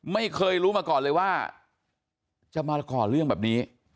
ไม่เคยรู้มาก่อนเลยว่าจะมาก่อเรื่องแบบนี้